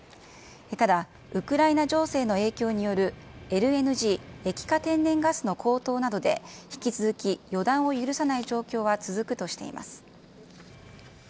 ただ、ウクライナ情勢の影響による、ＬＮＧ・液化天然ガスの高騰などで、引き続き予断を許さない状況は続くとしています。